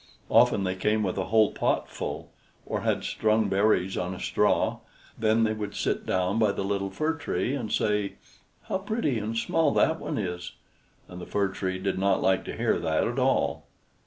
Often they came with a whole pot full, or had strung berries on a straw; then they would sit down by the little Fir Tree and say, "How pretty and small that one is!" and the Fir Tree did not like to hear that at all.